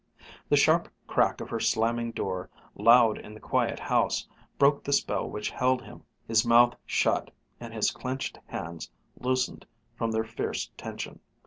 The sharp crack of her slamming door, loud in the quiet house, broke the spell which held him. His mouth shut, and his clenched hands loosened from their fierce tension.